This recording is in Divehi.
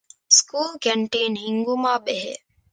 ސްކޫލް ކެންޓީން ހިންގުމާއި ބެހޭ